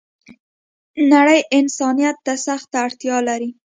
نړۍ انسانيت ته سخته اړتیا لری